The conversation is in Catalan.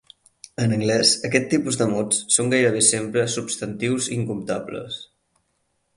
En anglès, aquest tipus de mots són gairebé sempre substantius incomptables.